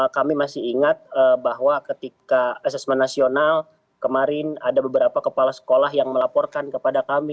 kami masih ingat bahwa ketika asesmen nasional kemarin ada beberapa kepala sekolah yang melaporkan kepada kami